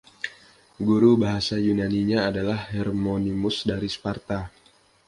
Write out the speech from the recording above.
Guru bahasa Yunaninya adalah Hermonymus dari Sparta.